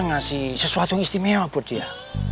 ngasih sesuatu yang istimewa buat dia